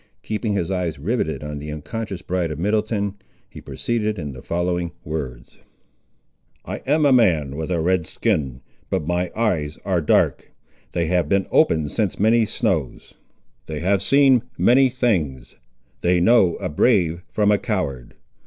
Keeping his eyes riveted on the unconscious bride of Middleton, he proceeded in the following words— "I am a man with a red skin, but my eyes are dark. They have been open since many snows. They have seen many things—they know a brave from a coward.